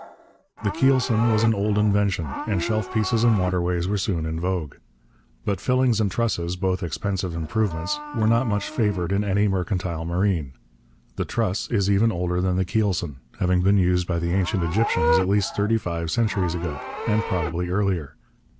The keelson was an old invention and shelf pieces and waterways were soon in vogue. But fillings and trusses, both expensive improvements, were not much favoured in any mercantile marine. The truss is even older than the keelson, having been used by the ancient Egyptians at least thirty five centuries ago, and probably earlier.